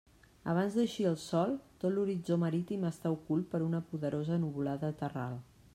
Abans d'eixir el sol tot l'horitzó marítim està ocult per una poderosa nuvolada terral.